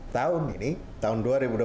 tahun ini tahun dua ribu dua puluh